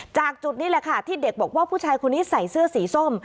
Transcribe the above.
จุดนี้แหละค่ะที่เด็กบอกว่าผู้ชายคนนี้ใส่เสื้อสีส้ม